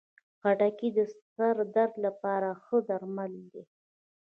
خټکی د سر درد لپاره ښه درمل دی.